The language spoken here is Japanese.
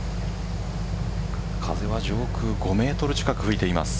風は上空５メートル近く吹いています。